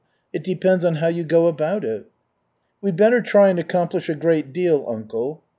It depends on how you go about it." "We'd better try and accomplish a great deal, uncle."